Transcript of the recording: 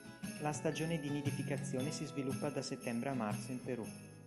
La stagione di nidificazione si sviluppa da settembre a marzo in Perù.